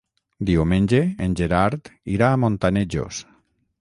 Diumenge en Gerard irà a Montanejos.